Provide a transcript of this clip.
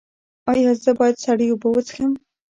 ایا زه باید سړې اوبه وڅښم؟